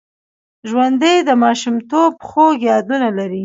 ژوندي د ماشومتوب خوږ یادونه لري